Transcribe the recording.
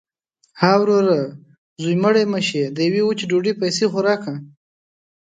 – ها وروره! زوی مړی مه شې. د یوې وچې ډوډۍ پیسې خو راکه.